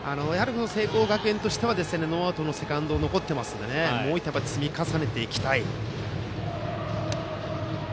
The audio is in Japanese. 聖光学院としてはノーアウトでセカンドが残っていますからもう１点積み重ねていきたいです。